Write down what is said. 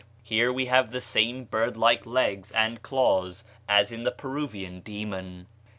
Here we have the same bird like legs and claws as in the Peruvian demon.